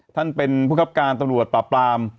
ท่านเป็นผู้คับการตำรวจปราบปราม